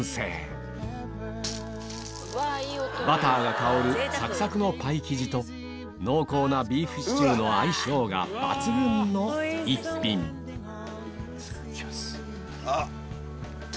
バターが香るサクサクのパイ生地と濃厚なビーフシチューの相性が抜群の一品いきます。